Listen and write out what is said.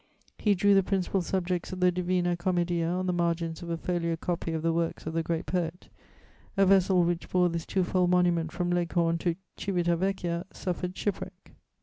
He drew the principal subjects of the Divina Commedia on the margins of a folio copy of the works of the great poet; a vessel which bore this two fold monument from Leghorn to Civita Vecchia suffered shipwreck.